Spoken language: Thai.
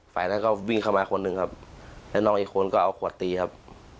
ฝ่ายนั้นก็วิ่งเข้ามาคนหนึ่งครับแล้วน้องอีกคนก็เอาขวดตีครับ